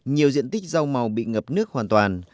nhiều diện tích rau màu bị ngập nước hoàn toàn